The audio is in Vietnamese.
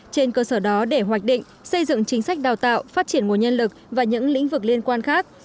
trên cơ sở đó để hoạch định xây dựng chính sách đào tạo phát triển nguồn nhân lực và những lĩnh vực liên quan khác